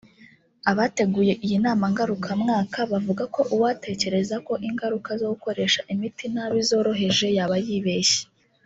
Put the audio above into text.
Abateguye iyi nama ngarukamwaka bavuga ko uwatekereza ko ingaruka zo gukoresha imiti nabi zoroheje yaba yibeshya